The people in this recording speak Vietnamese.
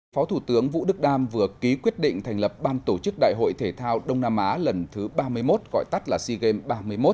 phó thủ tướng vũ đức đam vừa ký quyết định thành lập ban tổ chức đại hội thể thao đông nam á lần thứ ba mươi một gọi tắt là sea games ba mươi một